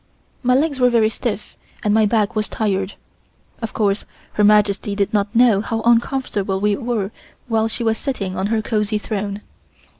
My legs were very stiff and my back was tired. Of course Her Majesty did not know how uncomfortable we were while she was sitting on her cozy throne.